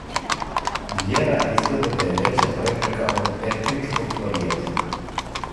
Вјера изгледа да је већа препрека од етничког поријекла.